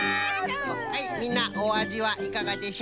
はいみんなおあじはいかがでしょうか？